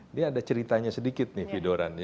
ini ada ceritanya sedikit nih vidoran